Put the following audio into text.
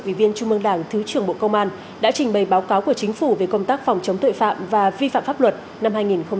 ủy viên trung mương đảng thứ trưởng bộ công an đã trình bày báo cáo của chính phủ về công tác phòng chống tội phạm và vi phạm pháp luật năm hai nghìn một mươi chín